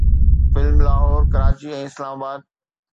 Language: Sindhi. فلم لاهور، ڪراچي ۽ اسلام آباد